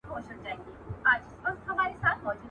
¬ مور او پلار چي زاړه سي، تر شکرو لا خواږه سي.